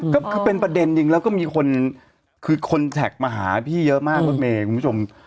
ก็คือเป็นประเด็นจริงแล้วก็มีคนคือคนแท็กมาหาพี่เยอะมากรถเมย์คุณผู้ชม